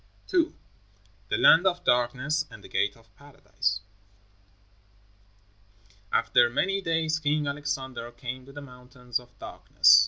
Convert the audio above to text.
II. THE LAND OF DARKNESS AND THE GATE OF PARADISE After many days King Alexander came to the Mountains of Darkness.